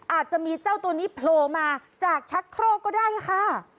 อาจจะมีเจ้าตัวนี้โผล่มาจากชักโครกก็ได้ค่ะ